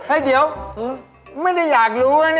ไอ้เดี๋ยวนายไม่ได้อยากรู้นะนี่อะ